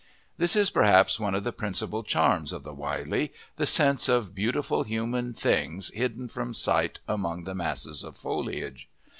This is perhaps one of the principal charms of the Wylye the sense of beautiful human things hidden from sight among the masses of foliage.